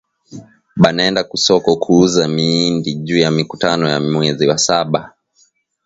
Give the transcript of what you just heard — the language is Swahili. Banaenda kusoko kuuza miindi juya mikutano ya mwezi wa saba